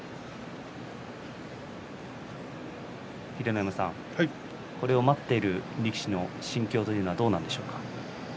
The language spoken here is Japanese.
秀ノ山さん待っている力士の心境というのはどうなんでしょうか？